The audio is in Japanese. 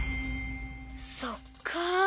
そっか。